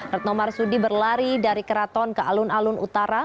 retno marsudi berlari dari keraton ke alun alun utara